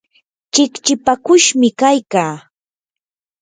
chikchipakushmi kaykaa.